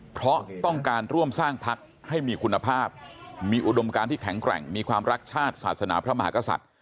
เพราะต้องการร่วมสร้างพักให้มีคุณภาพมีอุดมการที่แข็งแกร่งมีความรักชาติศาสนาพระมหากษัตริย์